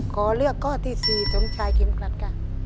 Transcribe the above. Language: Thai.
ขอเลือกก้อที่๔จงชายครีมกลัดกะ